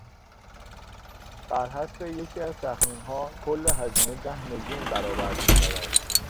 برحسب یکی از تخمینها کل هزینه ده میلیون برآورد میشود.